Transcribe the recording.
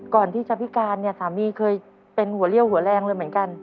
ก่อนที่จะพิการเนี่ยสามีเคยเป็นหัวเลี่ยวหัวแรงเลยเหมือนกัน